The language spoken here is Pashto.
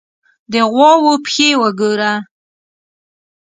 _د غواوو پښې وګوره!